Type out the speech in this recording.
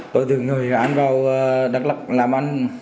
tôi từng người gây án vào đắk lập làm ăn